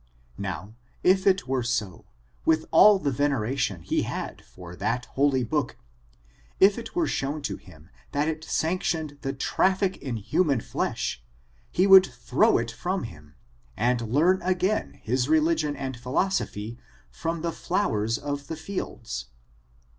Now, if it ^^'^^^*^^0^0^^^f^ S94 ORIGIN, CHARACTER, AND were so, with all the reneration he had for that holy Book, if it were shown to him that it sanctioned the traffic in human flesh, he would throw it frofn htrn^ and learn again his religion and philosophy from the flowers of the fields."